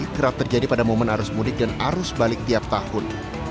kerap terjadi pada momen arus mudik dan arus balik tiap tahun